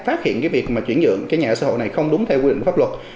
phát hiện cái việc mà chuyển dựng cái nhà ở xã hội này không đúng theo quy định pháp luật